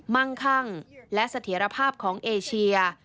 มั่งคั่งและเสถียรภาพของเอเชีย